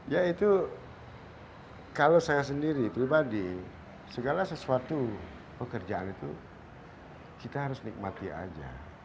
ya itu kalau saya sendiri pribadi segala sesuatu pekerjaan itu kita harus nikmati aja